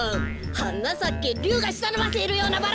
「はなさけりゅうがしたをのばしてるようなバラ」